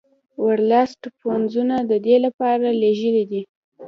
ورلسټ پوځونه د دې لپاره لېږلي دي.